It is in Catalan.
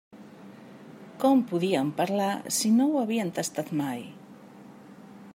Com podien parlar si no ho havien tastat mai?